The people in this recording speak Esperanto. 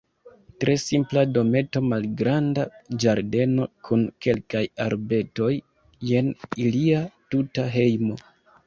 Tre simpla dometo, malgranda ĝardeno kun kelkaj arbetoj, jen ilia tuta hejmo.